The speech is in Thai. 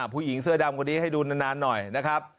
ผู้หญิงเสื้อดำคนนี้ให้ดูนานหน่อยนะครับ